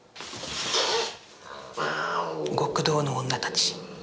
極道の女たち。